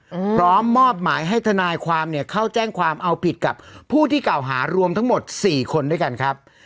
พร้อมมอบหมายให้ทนายความเนี่ยเข้าแจ้งความเอาผิดกับผู้ที่เก่าหารวมทั้งหมดสี่คนด้วยกันครับ